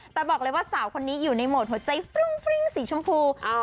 แต่บอกเลยว่าสาวคนนี้อยู่ในโหมดหัวใจฟรุ้งฟริ้งสีชมพู